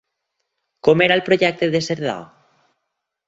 Com era el projecte de Cerdà?